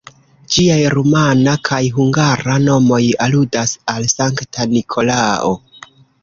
Ĝiaj rumana kaj hungara nomoj aludas al Sankta Nikolao.